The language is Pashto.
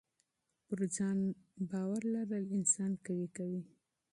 پر ځان باور لرل انسان قوي کوي.